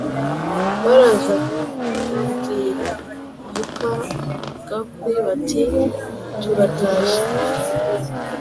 baraza babwira muka gakwi bati «turatashye